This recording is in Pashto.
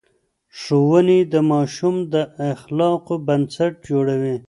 ښوونې د ماشوم د اخلاقو بنسټ جوړوي.